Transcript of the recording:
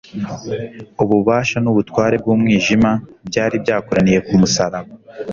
Ububasha n'ubutware bw'umwijima byari byakoraniye ku musaraba